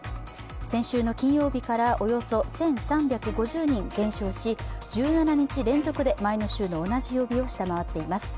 先週の金曜日からおよそ１３５０人減少し１７日連続で前の週の同じ曜日を下回っています。